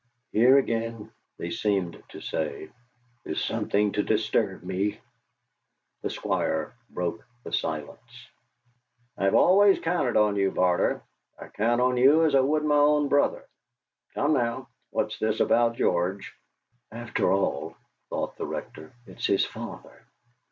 'Here, again,' they seemed to say, 'is something to disturb me!' The Squire broke the silence. "I've always counted on you, Barter; I count on you as I would on my own brother. Come, now, what's this about George?" '.fter all,' thought the Rector, 'it's his father!'